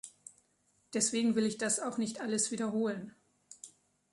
Deswegen will ich das auch nicht alles wiederholen.